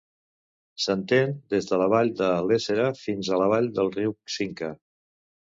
S'estén des de la vall de l'Éssera fins a la vall del riu Cinca.